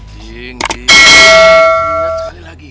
lihat sekali lagi